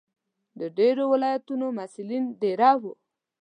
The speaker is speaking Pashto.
د ډېرو ولایتونو محصلین دېره وو.